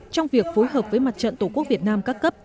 trong việc phối hợp với mặt trận tổ quốc việt nam các cấp